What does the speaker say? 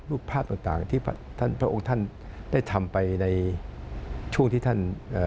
รูปภาพต่างที่พระองค์ท่านได้ทำไปในช่วงที่ท่าน